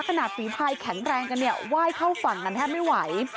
ฝีพายแข็งแรงกันเนี่ยไหว้เข้าฝั่งกันแทบไม่ไหว